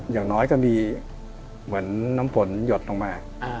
อย่างน้อยก็มีเหมือนน้ำฝนหยดลงมา